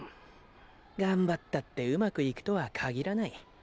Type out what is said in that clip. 頑張ったって上手くいくとは限らない。